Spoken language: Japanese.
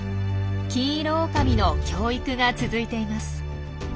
キンイロオオカミの教育が続いています。